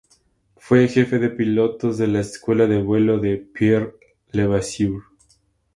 Fue jefe de pilotos de la escuela de vuelo de Pierre Levasseur.